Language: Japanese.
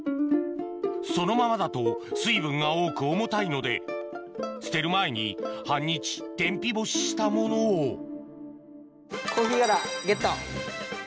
そのままだと水分が多く重たいので捨てる前に半日天日干ししたものをコーヒー殻ゲット！